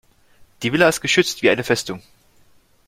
Die Villa ist geschützt wie eine Festung.